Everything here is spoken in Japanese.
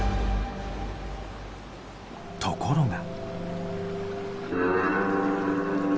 ところが。